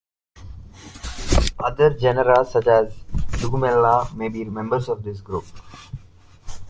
Other genera, such as "Jugumella", may be members of this group.